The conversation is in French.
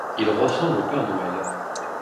Il ressemble au Père Noël.